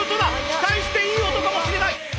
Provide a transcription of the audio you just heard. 期待していい音かもしれない。